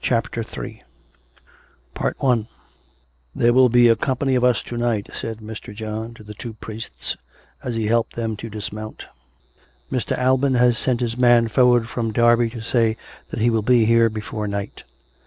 CHAPTER III ■' There will be a company of us to night/' said Mr. John to the two priests, as he helped them to dismount. " Mr. Alban has sent his man forward from Derby to say that he will be here before night."